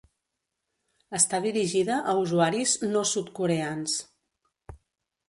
Està dirigida a usuaris no sud-coreans.